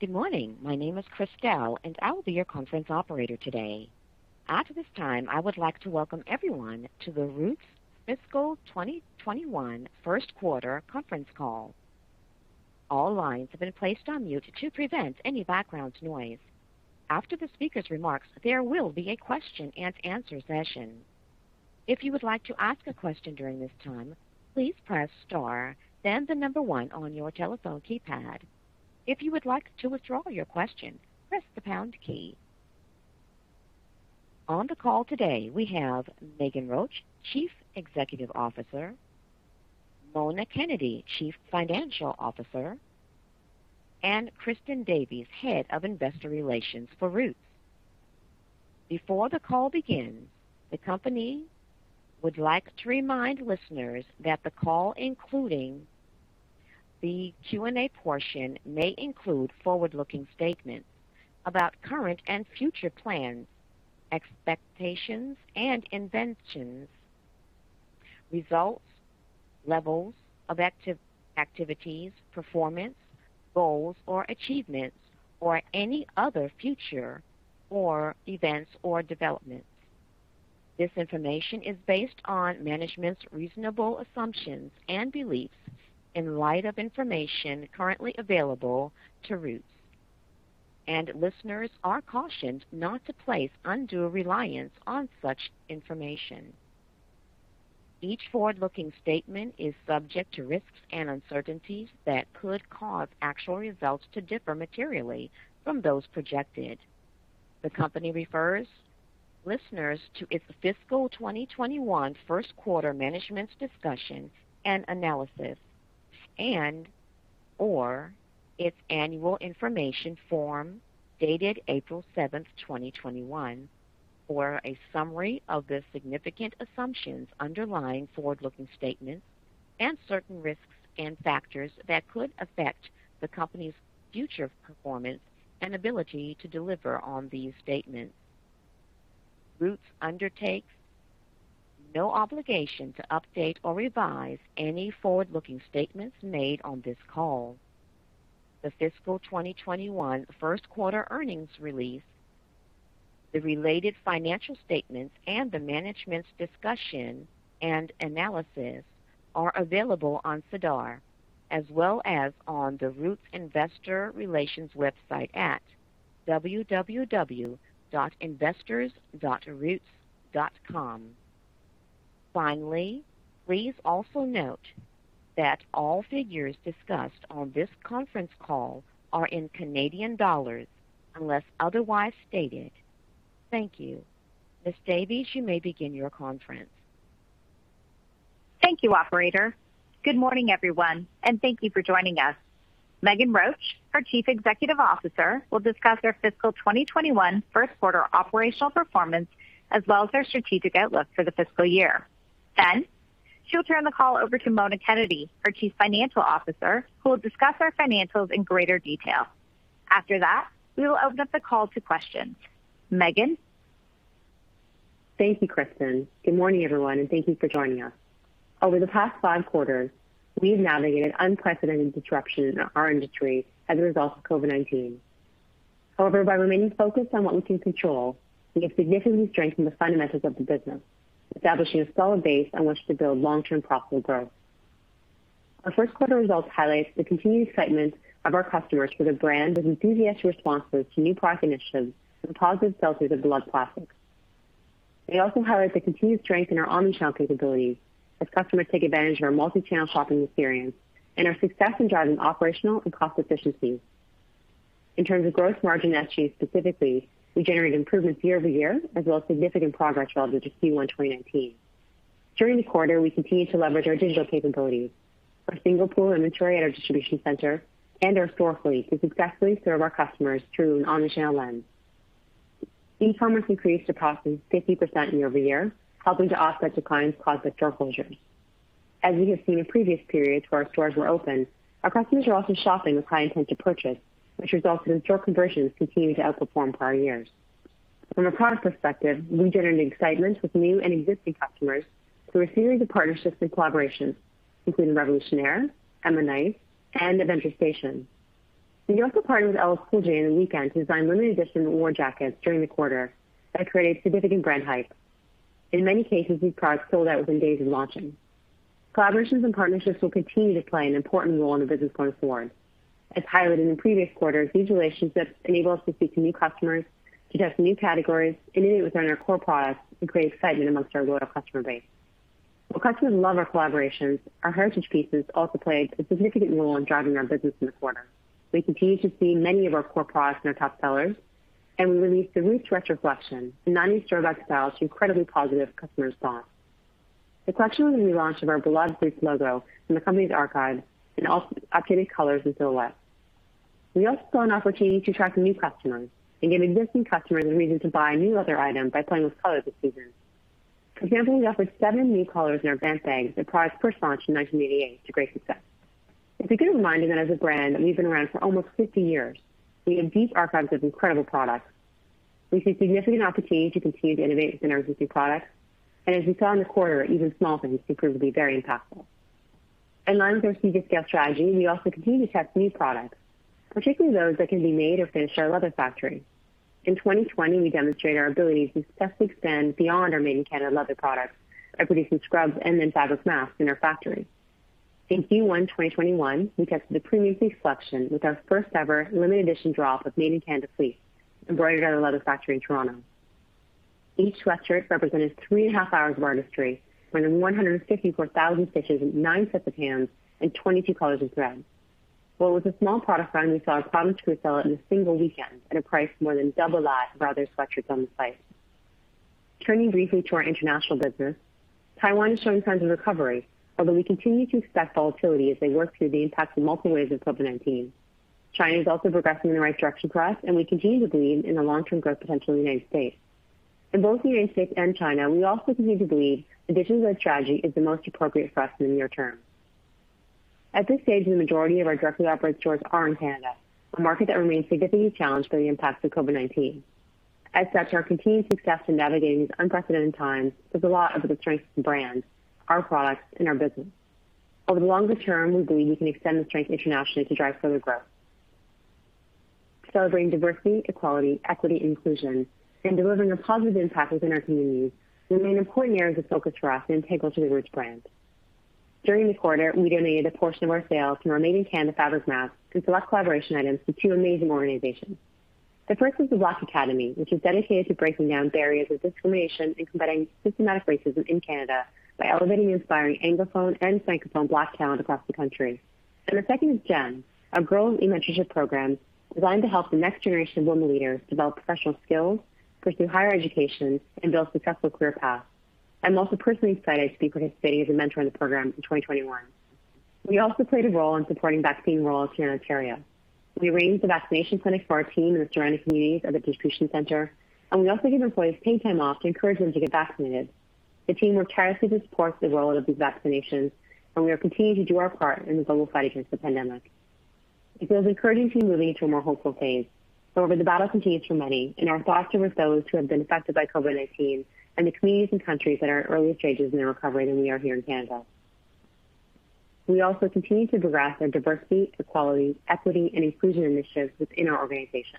Good morning. My name is Christelle, and I will be your conference operator today. At this time, I would like to welcome everyone to the Roots Fiscal 2021 first quarter conference call. All lines have been placed on mute to prevent any background noise. After the speaker's remarks, there will be a question and answer session. If you would like to ask a question during this time, please press star, then the number one on your telephone keypad. If you would like to withdraw your question, press the pound key. On the call today, we have Meghan Roach, Chief Executive Officer, Mona Kennedy, Chief Financial Officer, Kristen Davies, Head of Investor Relations for Roots. Before the call begins, the company would like to remind listeners that the call, including the Q&A portion, may include forward-looking statements about current and future plans, expectations and intentions, results, levels of activities, performance, goals or achievements, or any other future or events or developments. This information is based on management's reasonable assumptions and beliefs in light of information currently available to Roots, listeners are cautioned not to place undue reliance on such information. Each forward-looking statement is subject to risks and uncertainties that could cause actual results to differ materially from those projected. The company refers listeners to its Fiscal 2021 First Quarter Management's Discussion and Analysis and/or its annual information form dated April 7th, 2021, for a summary of the significant assumptions underlying forward-looking statements and certain risks and factors that could affect the company's future performance and ability to deliver on these statements. Roots undertakes no obligation to update or revise any forward-looking statements made on this call. The Fiscal 2021 First Quarter earnings release, the related financial statements, and the management's discussion and analysis are available on SEDAR as well as on the Roots investor relations website at investors.roots.com. Finally, please also note that all figures discussed on this conference call are in Canadian dollars unless otherwise stated. Thank you. Ms. Davies, you may begin your conference. Thank you, operator. Good morning, everyone, and thank you for joining us. Meghan Roach, our Chief Executive Officer, will discuss our fiscal 2021 first quarter operational performance as well as our strategic outlook for the fiscal year. She will turn the call over to Mona Kennedy, our Chief Financial Officer, who will discuss our financials in greater detail. After that, we will open up the call to questions. Meghan? Thank you, Kristen. Good morning, everyone, and thank you for joining us. Over the past 5 quarters, we've navigated unprecedented disruption in our industry as a result of COVID-19. However, by remaining focused on what we can control, we have significantly strengthened the fundamentals of the business, establishing a solid base on which to build long-term profitable growth. Our first quarter results highlight the continued excitement of our customers for the brand with enthusiastic responses to new product initiatives and the positive sell-throughs of beloved classics. They also highlight the continued strength in our omnichannel capabilities as customers take advantage of our multi-channel shopping experience and our success in driving operational and cost efficiencies. In terms of gross margin as achieved specifically, we generated improvements year-over-year as well as significant progress relative to Q1 2019. During the quarter, we continued to leverage our digital capabilities, our single pool inventory at our distribution center, and our store fleet to successfully serve our customers through an omnichannel lens. E-commerce increased across 50% year-over-year, helping to offset declines caused by store closures. As we have seen in previous periods where our stores were open, our customers are also shopping with high intent to purchase, which resulted in store conversions continuing to outperform prior years. From a product perspective, we generated excitement with new and existing customers through a series of partnerships and collaborations, including Revolutionnaire, Emma Knight, and Adventure Station. We also partnered with LL Cool J on The Weeknd to design limited edition award jackets during the quarter that created significant brand hype. In many cases, these products sold out within days of launching. Collaborations and partnerships will continue to play an important role in the business going forward. As highlighted in previous quarters, these relationships enable us to speak to new customers, to test new categories, innovate within our core products, and create excitement amongst our loyal customer base. While customers love our collaborations, our heritage pieces also played a significant role in driving our business in the quarter. We continue to see many of our core products in our top sellers, and we released the Roots Retro collection, nine historic styles to incredibly positive customer response. The collection was a relaunch of our beloved Roots logo from the company's archives in updated colors and silhouettes. We also saw an opportunity to attract new customers and give existing customers a reason to buy a new leather item by playing with color this season. For example, we offered seven new colors in our Banff Bags, a product first launched in 1988 to great success. It's a good reminder that as a brand, we've been around for almost 50 years. We have deep archives of incredible products. We see significant opportunity to continue to innovate with our new products, and as we saw in the quarter, even small things can quickly be very impactful. In line with our strategic shift strategy, we also continue to test new products, particularly those that can be made or finished at our leather factory. In 2020, we demonstrated our ability to successfully expand beyond our made in Canada leather products by producing scrubs and then fabric masks in our factories. In Q1 2021, we tested the previously selected with our first ever limited edition drop of made in Canada fleece embroidered at our leather factory in Toronto. Each sweatshirt represented three and a half hours of artistry, more than 164,000 stitches in nine sets of hands, and 22 colors of thread. With a small product run, we saw it promised to sell out in a one weekend at a price more than double that of other sweatshirts on the site. Turning briefly to our international business. Taiwan is showing signs of recovery, although we continue to expect volatility as they work through the impacts of multiple waves of COVID-19. China is also progressing in the right direction for us, and we continue to believe in the long-term growth potential of the United States. In both the United States and China, we also continue to believe a digital-led strategy is the most appropriate strategy near term. At this stage, the majority of our directly operated stores are in Canada, a market that remains significantly challenged by the impacts of COVID-19. As such, our continued success in navigating these unprecedented times is a lot of the strengths of the brand, our products, and our business. Over the longer term, we believe we can extend the strength internationally to drive further growth. Celebrating diversity, equality, equity, inclusion, and delivering on positive impacts within our communities remain important areas of focus for us and integral to the Roots brand. During this quarter, we donated a portion of our sales from our made in Canada fabric masks to select collaboration items with two amazing organizations. The first is The Black Academy, which is dedicated to breaking down barriers of discrimination and combating systematic racism in Canada by elevating inspiring Anglophone and Francophone Black talent across the country. The second is GEM, our Girls E-Mentorship program designed to help the next generation of women leaders develop professional skills, pursue higher education, and build successful career paths. I'm also personally excited to participate as a mentor in the program for 2021. We also played a role in supporting vaccine rollout here in Ontario. We arranged a vaccination clinic for our team in the surrounding communities of the distribution center, and we also gave employees paid time off to encourage them to get vaccinated. The team worked tirelessly to support the rollout of these vaccinations, and we will continue to do our part in the global fight against the pandemic. It feels we're currently transitioning to a more hopeful phase, but over the battle continues for many, and our thoughts are with those who have been affected by COVID-19 and the communities and countries that are in early stages in their recovery than we are here in Canada. We also continue to progress our diversity, equality, equity, and inclusion initiatives within our organization.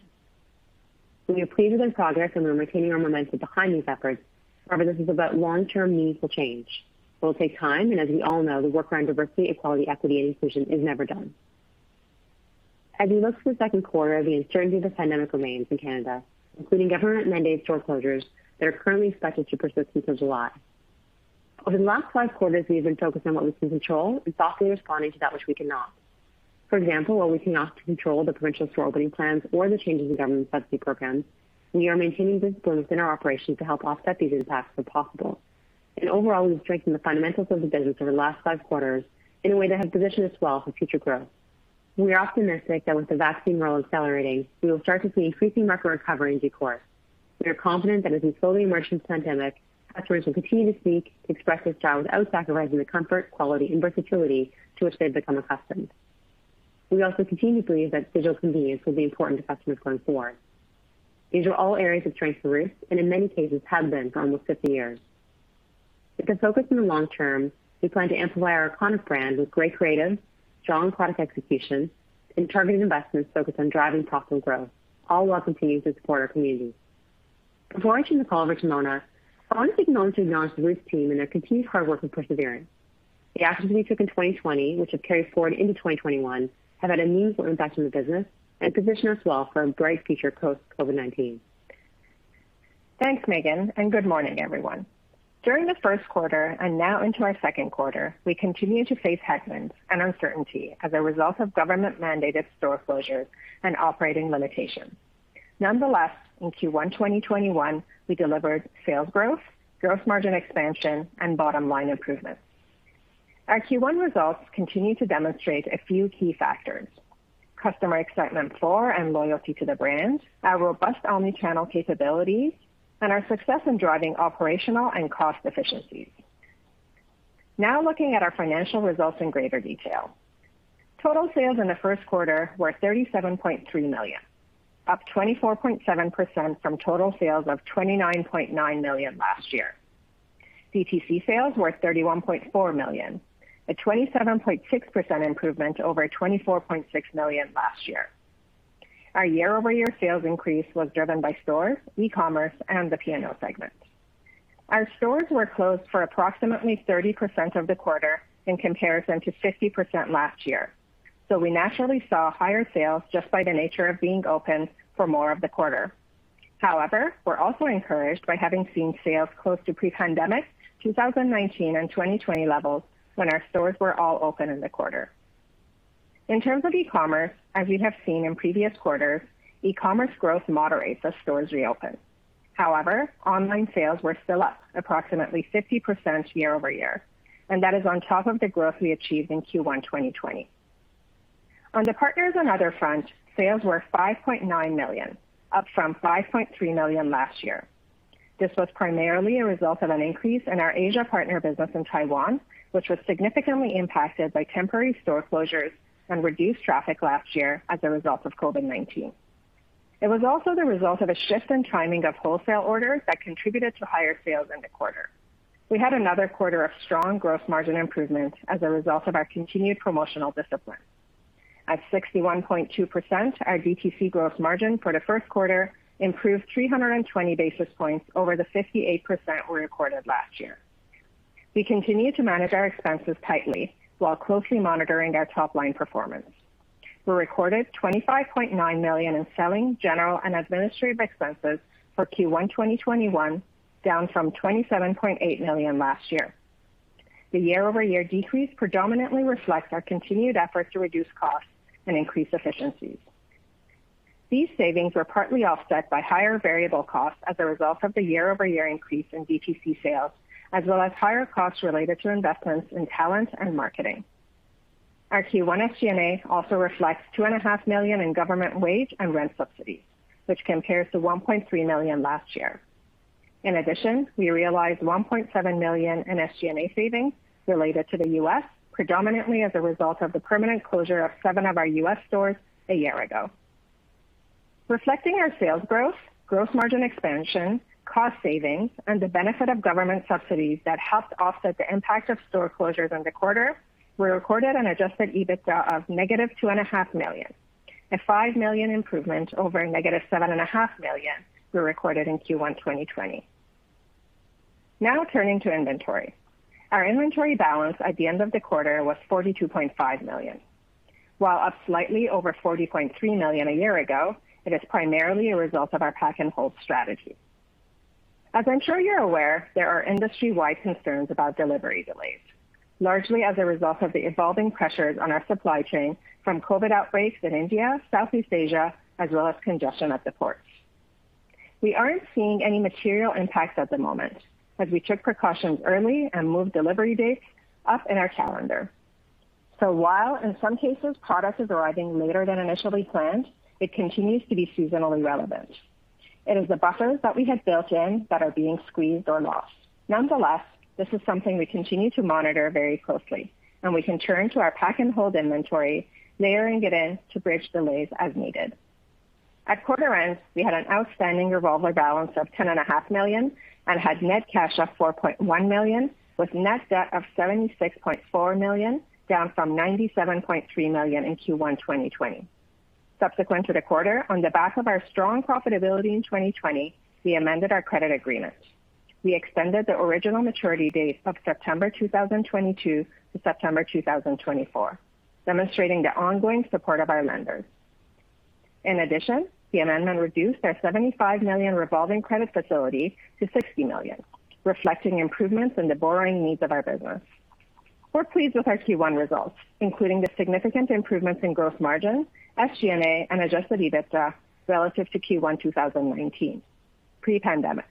We have created other projects and we're maintaining our momentum behind these efforts, recognizing that long-term meaningful change will take time, and as we all know, the work around diversity, equality, equity, and inclusion is never done. As we look to the second quarter, the uncertainty of the pandemic remains in Canada, including government-mandated store closures that are currently expected to persist through July. Over the last five quarters, we've been focused on what we can control and softly responding to that which we cannot. While we cannot control the provincial reopening plans or the changes in government subsidy programs, we are maintaining discipline in our operations to help offset these impacts where possible. Overall, we've strengthened the fundamentals of the business over the last five quarters in a way that has positioned us well for future growth. We are optimistic that with the vaccine rollout accelerating, we will start to see increasing recovery as we course. We are confident that as we slowly emerge from this pandemic, customers will continue to seek expressive styles without sacrificing the comfort, quality, and versatility to which they've become accustomed. We also continue to believe that digital convenience will be important to customers going forward. These are all areas of strength for Roots, and in many cases have been for almost 50 years. With a focus on the long term, we plan to amplify our current plan with great creative, strong product execution, and targeted investments focused on driving profitable growth, all while continuing to support our communities. Before I turn the call over to Mona, I wanted to acknowledge the Roots team and their continued hard work and perseverance. The actions we took in 2020, which have carried forward into 2021, have had a meaningful impact on the business and position us well for a bright future post COVID-19. Thanks, Meghan, and good morning, everyone. During the first quarter and now into our second quarter, we continue to face headwinds and uncertainty as a result of government-mandated store closures and operating limitations. Nonetheless, in Q1 2021, we delivered sales growth, gross margin expansion, and bottom-line improvements. Our Q1 results continue to demonstrate a few key factors: customer excitement for and loyalty to the brand, our robust omnichannel capabilities, and our success in driving operational and cost efficiencies. Looking at our financial results in greater detail. Total sales in the first quarter were 37.3 million, up 24.7% from total sales of 29.9 million last year. DTC sales were 31.4 million, a 27.6% improvement over 24.6 million last year. Our year-over-year sales increase was driven by stores, e-commerce, and the P&O segment. Our stores were closed for approximately 30% of the quarter in comparison to 50% last year. We naturally saw higher sales just by the nature of being open for more of the quarter. However, we're also encouraged by having seen sales close to pre-pandemic 2019 and 2020 levels when our stores were all open in the quarter. In terms of e-commerce, as you have seen in previous quarters, e-commerce growth moderates as stores reopen. However, online sales were still up approximately 50% year-over-year, and that is on top of the growth we achieved in Q1 2020. On the partners and other front, sales were 5.9 million, up from 5.3 million last year. This was primarily a result of an increase in our Asia partner business in Taiwan, which was significantly impacted by temporary store closures and reduced traffic last year as a result of COVID-19. It was also the result of a shift in timing of wholesale orders that contributed to higher sales in the quarter. We had another quarter of strong growth margin improvements as a result of our continued promotional discipline. At 61.2%, our DTC growth margin for the first quarter improved 320 basis points over the 58% we recorded last year. We continue to manage our expenses tightly while closely monitoring our top-line performance. We recorded 25.9 million in selling, general, and administrative expenses for Q1 2021, down from 27.8 million last year. The year-over-year decrease predominantly reflects our continued effort to reduce costs and increase efficiencies. These savings were partly offset by higher variable costs as a result of the year-over-year increase in DTC sales, as well as higher costs related to investments in talent and marketing. Our Q1 SG&A also reflects 2.5 million in government wage and rent subsidies, which compares to 1.3 million last year. We realized 1.7 million in SG&A savings related to the U.S., predominantly as a result of the permanent closure of seven of our U.S. stores a year ago. Reflecting our sales growth, gross margin expansion, cost savings, and the benefit of government subsidies that helped offset the impact of store closures in the quarter, we recorded an adjusted EBITDA of negative 2.5 million, a 5 million improvement over negative 7.5 million we recorded in Q1 2020. Turning to inventory. Our inventory balance at the end of the quarter was 42.5 million. Up slightly over 40.3 million a year ago, it is primarily a result of our pack-and-hold strategy. As I'm sure you're aware, there are industry-wide concerns about delivery delays, largely as a result of the evolving pressures on our supply chain from COVID outbreaks in India, Southeast Asia, as well as congestion at the ports. We aren't seeing any material impact at the moment, as we took precautions early and moved delivery dates up in our calendar. While in some cases product is arriving later than initially planned, it continues to be seasonally relevant. It is the buffers that we have built in that are being squeezed or lost. This is something we continue to monitor very closely, and we can turn to our pack-and-hold inventory, layering it in to bridge delays as needed. At quarter ends, we had an outstanding revolver balance of 10.5 million and had net cash of 4.1 million, with net debt of 76.4 million, down from 97.3 million in Q1 2020. Subsequent to the quarter, on the back of our strong profitability in 2020, we amended our credit agreements. We extended the original maturity date of September 2022 to September 2024, demonstrating the ongoing support of our lenders. In addition, CIBC reduced our 75 million revolving credit facility to 60 million, reflecting improvements in the borrowing needs of our business. We're pleased with our Q1 results, including the significant improvements in gross margin, SG&A, and adjusted EBITDA relative to Q1 2019, pre-pandemic.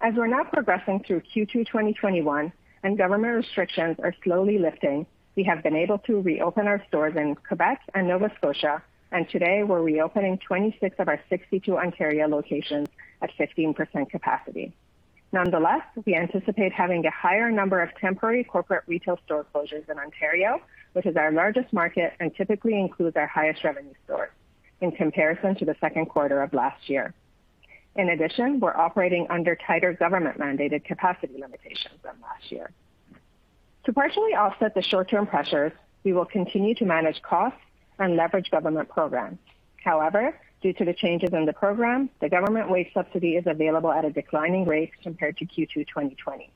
As we're now progressing through Q2 2021 and government restrictions are slowly lifting, we have been able to reopen our stores in Quebec and Nova Scotia, and today we're reopening 26 of our 62 Ontario locations at 15% capacity. Nonetheless, we anticipate having a higher number of temporary corporate retail store closures in Ontario, which is our largest market and typically includes our highest revenue stores in comparison to the second quarter of last year. In addition, we're operating under tighter government-mandated capacity limitations than last year. To partially offset the short-term pressures, we will continue to manage costs and leverage government programs. However, due to the changes in the program, the government wage subsidy is available at a declining rate compared to Q2 2020.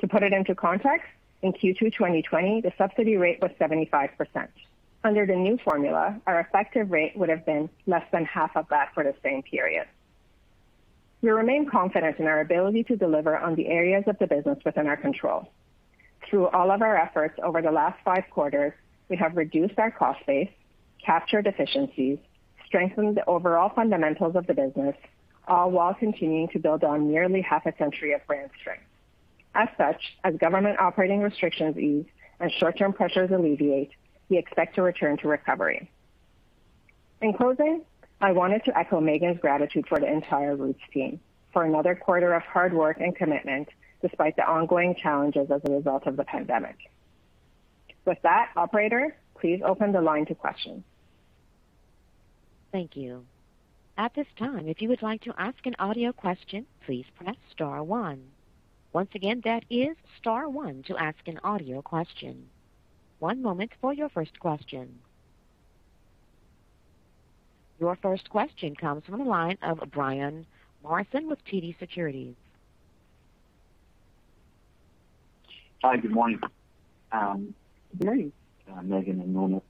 To put it into context, in Q2 2020, the subsidy rate was 75%. Under the new formula, our effective rate would've been less than half of that for the same period. We remain confident in our ability to deliver on the areas of the business within our control. Through all of our efforts over the last five quarters, we have reduced our cost base, captured efficiencies, strengthened the overall fundamentals of the business, all while continuing to build on nearly half a century of brand strength. As such, as government operating restrictions ease and short-term pressures alleviate, we expect to return to recovery. In closing, I wanted to echo Meghan's gratitude for the entire Roots team for another quarter of hard work and commitment despite the ongoing challenges as a result of the pandemic. With that, operator, please open the line to questions. Thank you. At this time, if you would like to ask an audio question, please press star one. Once again, that is star one to ask an audio question. One moment for your first question. Your first question comes from the line of Brian Morrison with TD Securities. Hi. Good morning. Good morning. Meghan and Mona.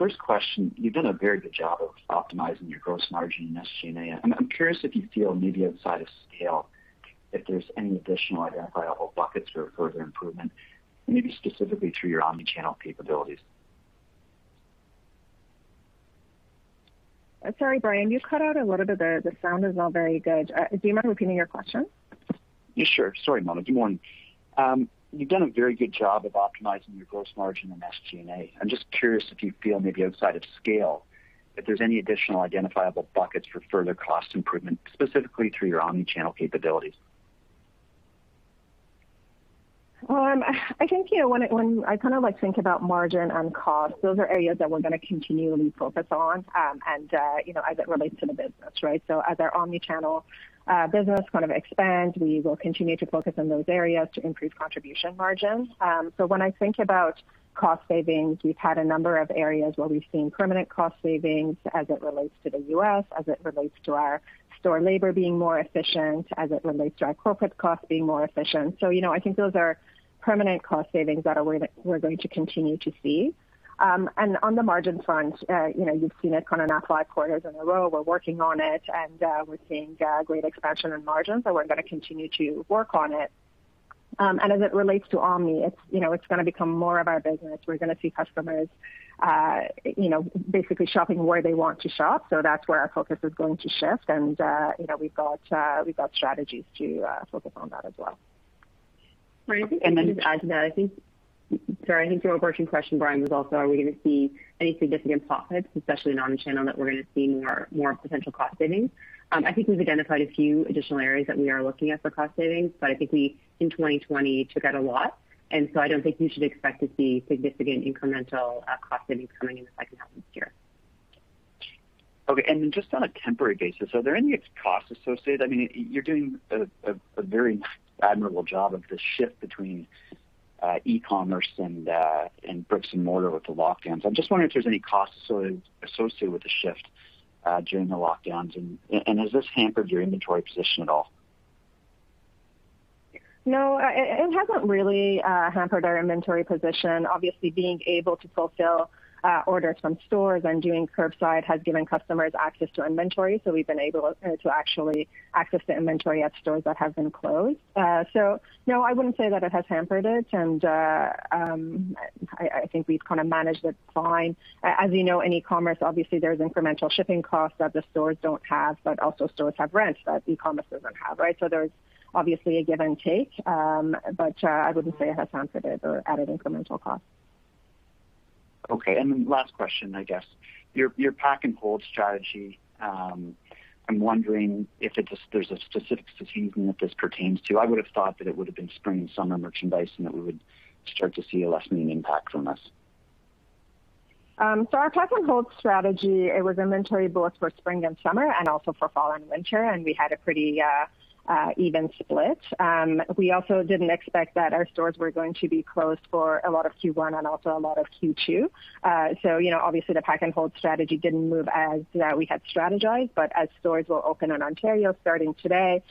First question, you've done a very good job of optimizing your gross margin and SG&A, and I'm curious if you feel maybe outside of scale if there's any additional identifiable buckets for further improvement, maybe specifically through your omnichannel capabilities. Sorry, Brian, you cut out a little bit there. The sound is not very good. Do you mind repeating your question? Yeah, sure. Sorry, Mona. Good morning. You've done a very good job of optimizing your gross margin and SG&A. I'm just curious if you feel maybe outside of scale, if there's any additional identifiable buckets for further cost improvement, specifically through your omnichannel capabilities. Well, I think when I think about margin and cost, those are areas that we're going to continually focus on, as it relates to the business, right? As our omnichannel business kind of expands, we will continue to focus on those areas to increase contribution margins. When I think about cost savings, we've had a number of areas where we've seen permanent cost savings as it relates to the U.S., as it relates to our store labor being more efficient, as it relates to our corporate costs being more efficient. I think those are permanent cost savings that we're going to continue to see. On the margin front, you've seen it kind of now five quarters in a row. We're working on it, and we're seeing great expansion in margins. We're going to continue to work on it. As it relates to omni, it's going to become more of our business. We're going to see customers basically shopping where they want to shop. That's where our focus is going to shift, and we've got strategies to focus on that as well. Brian, if I can just add to that, I think the overarching question, Brian, was also are we going to see any significant pockets, especially in omnichannel, that we're going to see more potential cost savings? I think we've identified a few additional areas that we are looking at for cost savings, but I think we, in 2020, took out a lot, and so I don't think you should expect to see significant incremental cost savings coming in the second half of this year. Okay, then just on a temporary basis, are there any costs associated? I mean, you're doing a very admirable job of the shift between e-commerce and bricks and mortar with the lockdowns. I'm just wondering if there's any costs associated with the shift during the lockdowns, has this hampered your inventory position at all? No, it hasn't really hampered our inventory position. Being able to fulfill orders from stores and doing curbside has given customers access to inventory. We've been able to actually access the inventory at stores that have been closed. No, I wouldn't say that it has hampered it, and I think we've kind of managed it fine. As you know, in e-commerce, obviously, there's incremental shipping costs that the stores don't have, but also stores have rent that e-commerce doesn't have, right? I wouldn't say it has hampered it or added incremental cost. Okay, and then last question, I guess. Your pack-and-hold strategy, I'm wondering if there's a specific season that this pertains to. I would have thought that it would have been spring and summer merchandise, and that we would start to see a lessening impact from this. Our pack-and-hold strategy, it was inventory both for spring and summer, and also for fall and winter, and we had a pretty even split. We also didn't expect that our stores were going to be closed for a lot of Q1 and also a lot of Q2. Obviously the pack-and-hold strategy didn't move as we had strategized. As stores will open in Ontario starting today,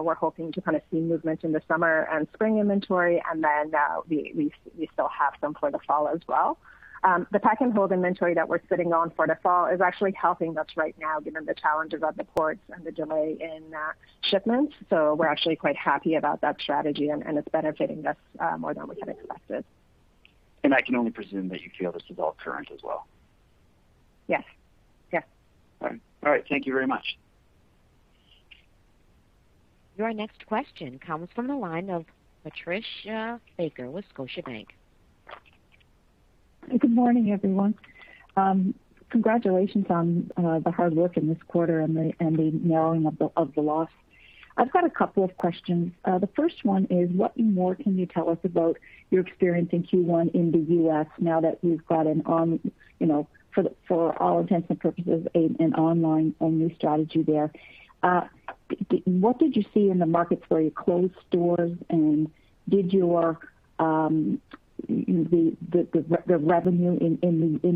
we're hoping to kind of see movement in the summer and spring inventory, and then we still have some for the fall as well. The pack-and-hold inventory that we're sitting on for the fall is actually helping us right now given the challenges at the ports and the delay in shipments. We're actually quite happy about that strategy, and it's benefiting us more than we had expected. I can only presume that you feel this is all current as well. Yes. All right. Thank you very much. Your next question comes from the line of Patricia Baker with Scotiabank. Good morning, everyone. Congratulations on the hard work in this quarter and the narrowing of the loss. I've got a couple of questions. The first one is, what more can you tell us about your experience in Q1 in the U.S. now that you've got, for all intents and purposes, an online-only strategy there? What did you see in the markets where you closed stores, and the revenue in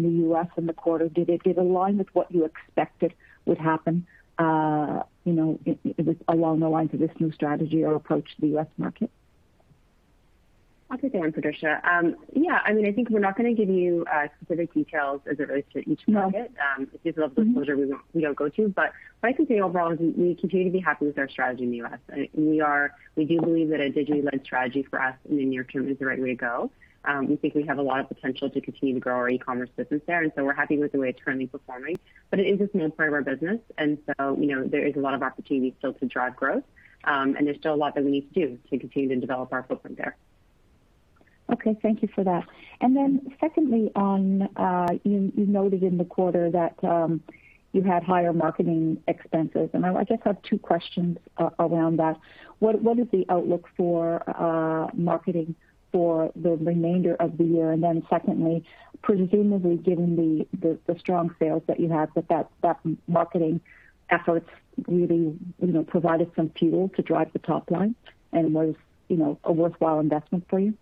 the U.S. in the quarter, did it align with what you expected would happen along the lines of this new strategy or approach to the U.S. market? I'll take that one, Patricia. Yeah, I think we're not going to give you specific details as it relates to each market. No. It is a level of disclosure we don't go to. What I can say overall is we continue to be happy with our strategy in the U.S. We do believe that a digitally led strategy for us in the near term is the right way to go. We think we have a lot of potential to continue to grow our e-commerce business there, we're happy with the way it's currently performing. It is a small part of our business, there is a lot of opportunity still to drive growth. There's still a lot that we need to do to continue to develop our footprint there. Okay, thank you for that. Secondly, you noted in the quarter that you had higher marketing expenses, and I just have two questions around that. What is the outlook for marketing for the remainder of the year? Secondly, presumably, given the strong sales that you had, that marketing efforts really provided some fuel to drive the top line and was a worthwhile investment for you?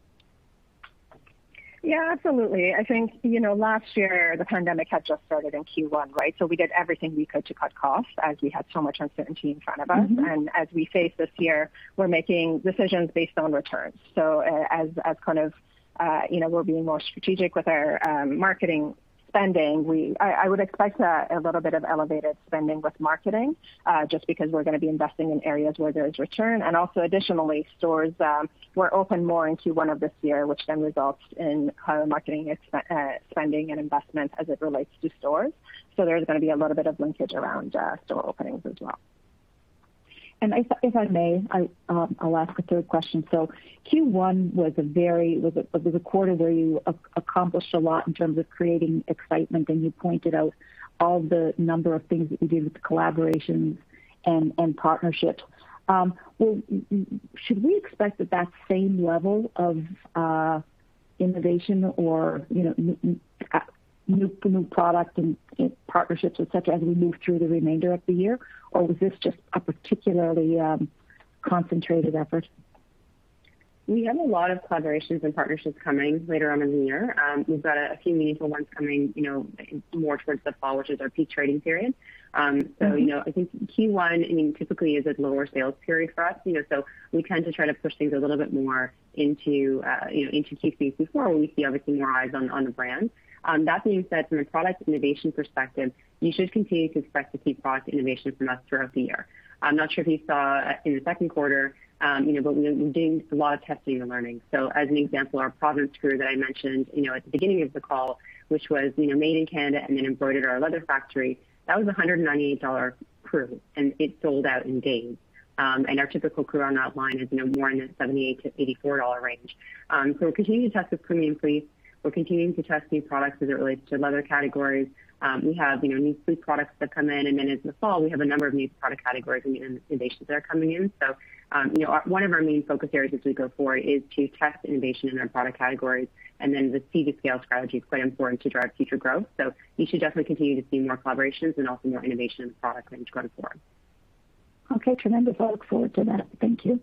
Yeah, absolutely. I think last year, the pandemic had just started in Q1, right? We did everything we could to cut costs as we had so much uncertainty in front of us. As we face this year, we're making decisions based on returns. As we're being more strategic with our marketing spending, I would expect a little bit of elevated spending with marketing, just because we're going to be investing in areas where there's return. Also additionally, stores were open more in Q1 of this year, which then results in higher marketing spending and investment as it relates to stores. There's going to be a little bit of linkage around store openings as well. If I may, I'll ask a third question. Q1 was a quarter where you accomplished a lot in terms of creating excitement, and you pointed out all the number of things that you did with the collaborations and partnerships. Should we expect that same level of innovation or new product and partnerships, et cetera, as we move through the remainder of the year? Or was this just a particularly concentrated effort? We have a lot of collaborations and partnerships coming later on in the year. We've got a few meaningful ones coming more towards the fall, which is our peak trading period. I think Q1, typically, is a lower sales period for us. We tend to try to push things a little bit more into Q3, Q4, when we see everything more eyes on the brand. That being said, from a product innovation perspective, you should continue to expect to see product innovation from us throughout the year. I'm not sure if you saw in the second quarter, but we've been doing a lot of testing and learning. As an example, our Providence crew that I mentioned at the beginning of the call, which was made in Canada and then embroidered at our leather factory, that was 198 dollar crew, and it sold out in days. Our typical crew on that line is more in the 78-84 dollar range. We're continuing to test with premium fleece. We're continuing to test new products as it relates to leather categories. We have new fleece products that come in, and then in the fall, we have a number of new product categories and innovations that are coming in. One of our main focus areas as we go forward is to test innovation in our product categories, and then the seed to scale strategy is quite important to drive future growth. You should definitely continue to see more collaborations and also more innovation in the product range going forward. Okay, tremendous. I look forward to that. Thank you.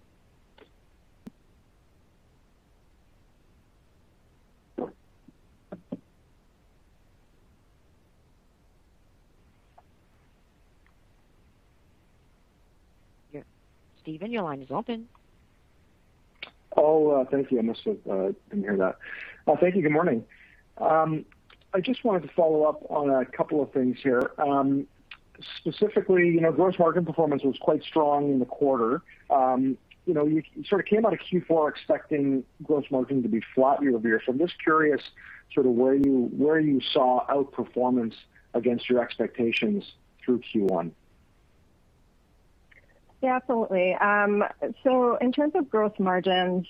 Stephen, your line is open. Oh, thank you. I must have didn't hear that. Thank you. Good morning. I just wanted to follow up on a couple of things here. Specifically, gross margin performance was quite strong in the quarter. You sort of came out of Q4 expecting gross margin to be flat year-over-year. I'm just curious sort of where you saw outperformance against your expectations through Q1. Yeah, absolutely. In terms of gross margins,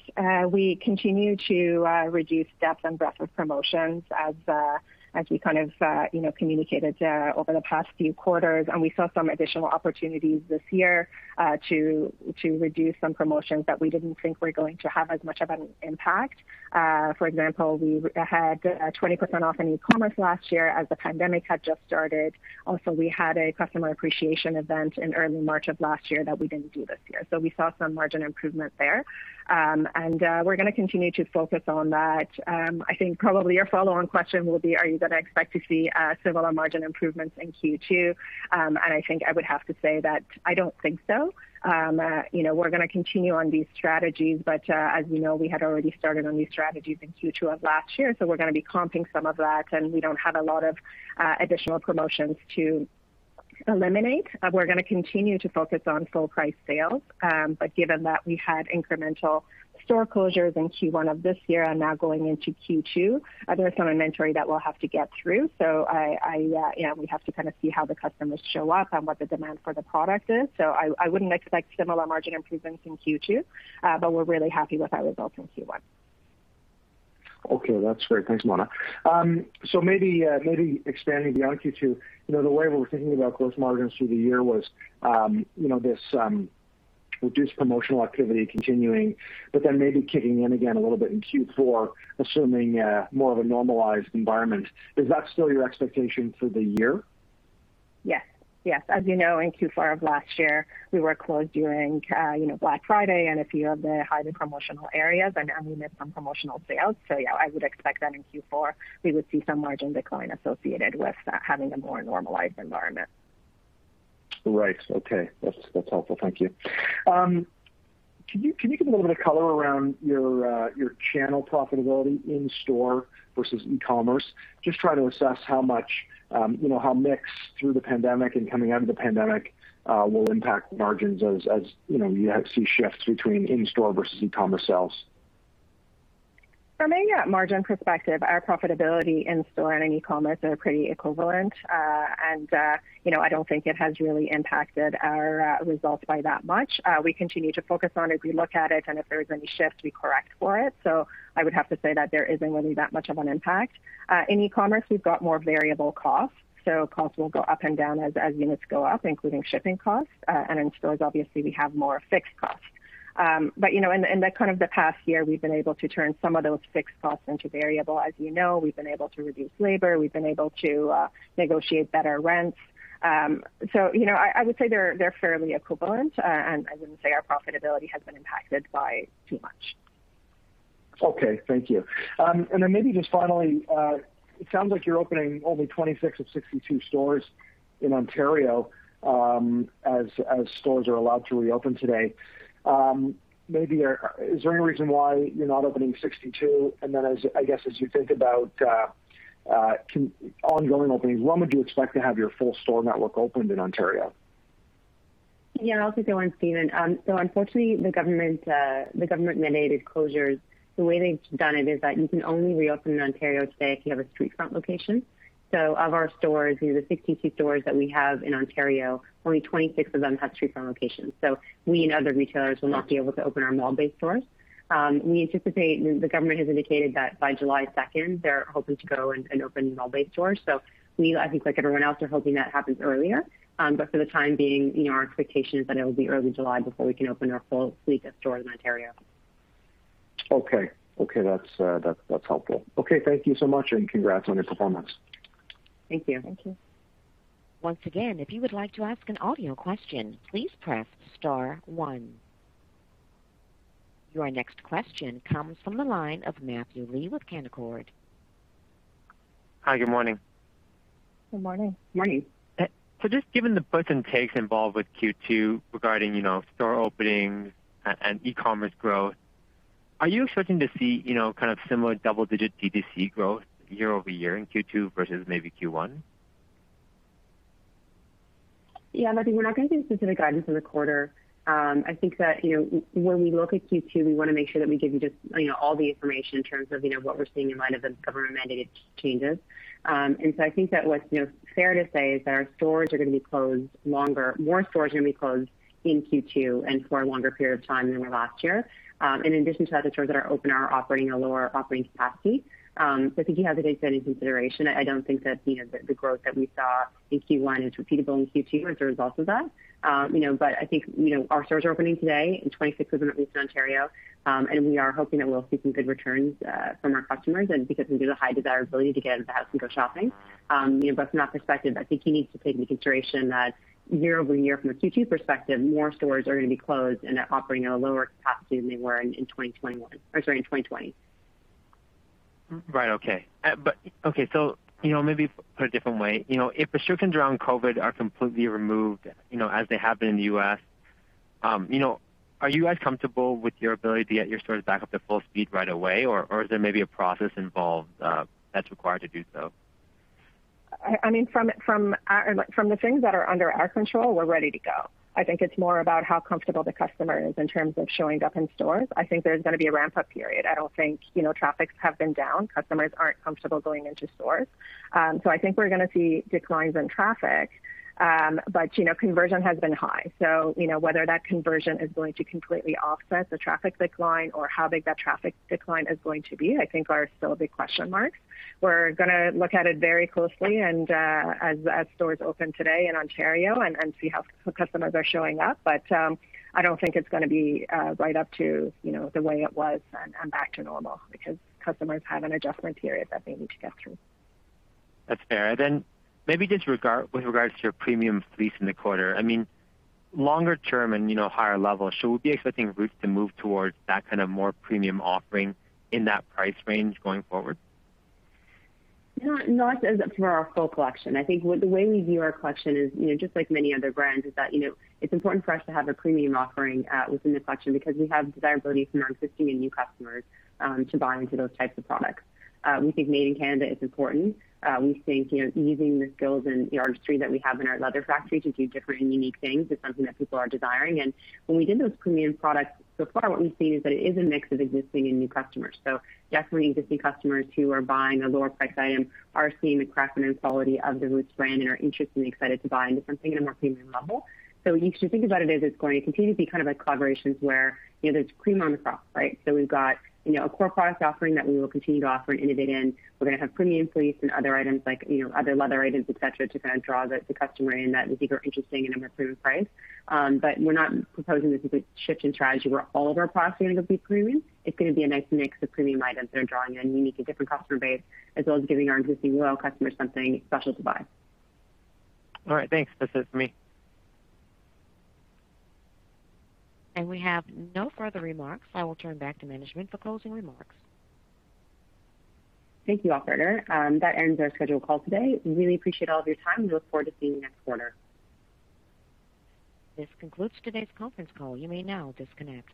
we continue to reduce depth and breadth of promotions as we kind of communicated there over the past few quarters. We saw some additional opportunities this year to reduce some promotions that we didn't think were going to have as much of an impact. For example, we had 20% off in e-commerce last year as the pandemic had just started. Also, we had a customer appreciation event in early March of last year that we didn't do this year. We saw some margin improvement there. We're going to continue to focus on that. I think probably your follow-on question will be, are you going to expect to see similar margin improvements in Q2? I think I would have to say that I don't think so. We're going to continue on these strategies. As you know, we had already started on these strategies in Q2 of last year, so we're going to be comping some of that, and we don't have a lot of additional promotions to eliminate. We're going to continue to focus on full price sales. Given that we had incremental store closures in Q1 of this year and now going into Q2, there is some inventory that we'll have to get through. We have to kind of see how the customers show up and what the demand for the product is. I wouldn't expect similar margin improvements in Q2, but we're really happy with our results in Q1. Okay. That's great. Thanks, Mona. Maybe expanding beyond Q2, the way we were thinking about gross margins through the year was this reduced promotional activity continuing, maybe kicking in again a little bit in Q4, assuming more of a normalized environment. Is that still your expectation for the year? Yes. As you know, in Q4 of last year, we were closed during Black Friday and a few of the highly promotional areas, and we missed some promotional sales. Yeah, I would expect that in Q4, we would see some margin decline associated with having a more normalized environment. Right. Okay. That's helpful. Thank you. Can you give a little bit of color around your channel profitability in-store versus e-commerce? Just trying to assess how mix through the pandemic and coming out of the pandemic will impact margins as you see shifts between in-store versus e-commerce sales. From a margin perspective, our profitability in store and in e-commerce are pretty equivalent. I don't think it has really impacted our results by that much. We continue to focus on it. We look at it, and if there is any shift, we correct for it. I would have to say that there isn't really that much of an impact. In e-commerce, we've got more variable costs, so costs will go up and down as units go up, including shipping costs. In stores, obviously, we have more fixed costs. In the kind of the past year, we've been able to turn some of those fixed costs into variable. As you know, we've been able to reduce labor, we've been able to negotiate better rents. I would say they're fairly equivalent. I wouldn't say our profitability has been impacted by too much. Okay. Thank you. Maybe just finally, it sounds like you're opening only 26 of 62 stores in Ontario, as stores are allowed to reopen today. Is there any reason why you're not opening 62? I guess as you think about ongoing openings, when would you expect to have your full store network opened in Ontario? Yeah, I'll take that one, Stephen. Unfortunately, the government-mandated closures, the way they've done it is that you can only reopen in Ontario today if you have a street front location. Of our stores, the 62 stores that we have in Ontario, only 26 of them have street front locations. We and other retailers will not be able to open our mall-based stores. The government has indicated that by July 2nd, they're hoping to go and open mall-based stores. We, I think like everyone else, are hoping that happens earlier. For the time being, our expectation is that it will be early July before we can open our full suite of stores in Ontario. Okay. That's helpful. Okay, thank you so much, and congrats on your performance. Thank you. Thank you. Once again, if you would like to ask an audio question, please press star one. Your next question comes from the line of Matthew Lee with Canaccord. Hi, good morning. Good morning. Morning. Just given the puts and takes involved with Q2 regarding store openings and e-commerce growth, are you expecting to see similar double-digit DTC growth year-over-year in Q2 versus maybe Q1? Yeah, Matthew, we're not going to give specific guidance for the quarter. I think that when we look at Q2, we want to make sure that we give you just all the information in terms of what we're seeing in light of the government-mandated changes. I think that what's fair to say is that our stores are going to be closed longer. More stores are going to be closed in Q2 and for a longer period of time than we were last year. In addition to that, the stores that are open are operating at a lower operating capacity. I think you have to take that into consideration. I don't think that the growth that we saw in Q1 is repeatable in Q2 as a result of that. I think, our stores are opening today and 26 of them at least in Ontario, and we are hoping that we'll see some good returns from our customers and because of the high desirability to get out of the house and go shopping. From that perspective, I think you need to take into consideration that year-over-year from a Q2 perspective, more stores are going to be closed and are operating at a lower capacity than they were in 2020. Right, okay. Okay, maybe put a different way. If restrictions around COVID are completely removed, as they have been in the U.S., are you guys comfortable with your ability to get your stores back up to full speed right away? Is there maybe a process involved that's required to do so? From the things that are under our control, we're ready to go. I think it's more about how comfortable the customer is in terms of showing up in stores. I think there's going to be a ramp-up period. Traffic has been down. Customers aren't comfortable going into stores. I think we're going to see declines in traffic. Conversion has been high. Whether that conversion is going to completely offset the traffic decline or how big that traffic decline is going to be, I think are still big question marks. We're going to look at it very closely and as stores open today in Ontario and see how customers are showing up. I don't think it's going to be right up to the way it was and back to normal because customers have an adjustment period that they need to get through. That's fair. Maybe just with regards to your premium fleece in the quarter, longer term and higher level, should we be expecting Roots to move towards that more premium offering in that price range going forward? Not as for our full collection. I think the way we view our collection is, just like many other brands, is that it's important for us to have a premium offering within the collection because we have desirability from our existing and new customers to buy into those types of products. We think made in Canada is important. We think, using the skills and the artistry that we have in our leather factory to do different and unique things is something that people are desiring. When we did those premium products before, what we've seen is that it is a mix of existing and new customers. Definitely existing customers who are buying a lower priced item are seeing the craftsman quality of the Roots brand and are interested and excited to buy into something in a more premium level. You should think about it as it's going to continue to be collaborations where there's cream of the crop, right? We've got a core product offering that we will continue to offer and innovate in. We're going to have premium fleece and other items like other leather items, et cetera, to draw the customer in that is either interesting in a more premium price. We're not proposing this as a shift in strategy where all of our products are going to be premium. It's going to be a nice mix of premium items that are drawing in unique and different customer base, as well as giving our existing loyal customers something special to buy. Thanks. That's it for me. We have no further remarks. I will turn back to management for closing remarks. Thank you, operator. That ends our scheduled call today. Really appreciate all of your time, and look forward to seeing you next quarter. This concludes today's conference call. You may now disconnect.